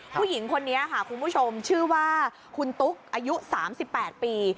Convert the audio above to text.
ผู้หญิงคนนี้ค่ะคุณผู้ชมชื่อว่าคุณตุ๊กอายุ๓๘ปี